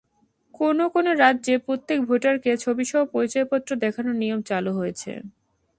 কোনো কোনো রাজ্যে প্রত্যেক ভোটারকে ছবিসহ পরিচয়পত্র দেখানোর নিয়ম চালু হয়েছে।